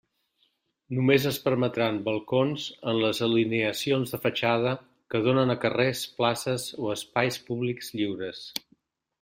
Només es permetran balcons en les alineacions de fatxada que donen a carrers, places o espais públics lliures.